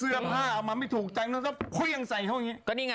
เสื้อผ้าเอามาไม่ถูกจังแล้วก็เครื่องใส่เข้าโง่งยิง